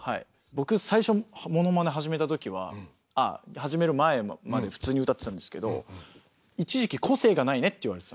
僕最初モノマネ始めたときは始める前まで普通に歌ってたんですけど一時期「個性がないね」って言われてたんですよ。